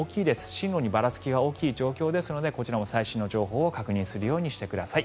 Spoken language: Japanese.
進路にばらつきが大きい状況ですのでこちらも最新の情報を確認するようにしてください。